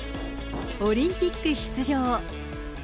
オリンピック出場。